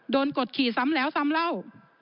กดขี่ซ้ำแล้วซ้ำเล่า